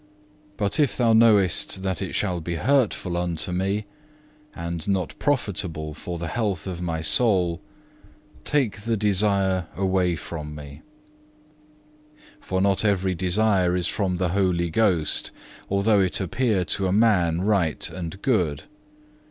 But if thou knowest that it shall be hurtful unto me, and not profitable for the health of my soul, take the desire away from me'! For not every desire is from the Holy Ghost, although it appear to a man right and good.